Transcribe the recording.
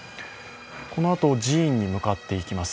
このあと、寺院に向かっていきます